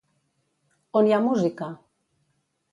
On hi ha música?